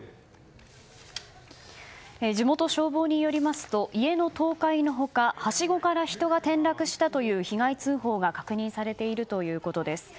地元消防によりますと家の倒壊の他はしごから人が転落したという被害通報が確認されているということです。